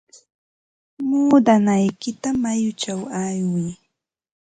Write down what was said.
Muudanaykita mayuchaw aywiy.